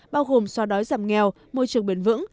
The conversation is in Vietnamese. bao gồm soa đói giảm nghèo môi trường bền vững